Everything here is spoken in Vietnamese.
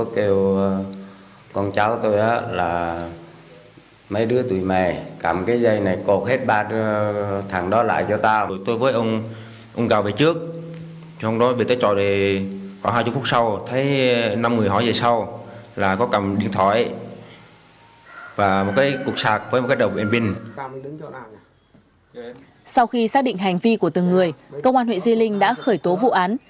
sau khi xác định hành vi của từng người công an huyện di linh đã khởi tố vụ án